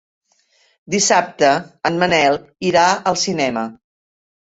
Dissabte en Manel irà al cinema.